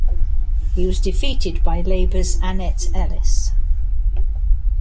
He was defeated by Labor's Annette Ellis.